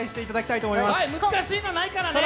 難しいのないからね。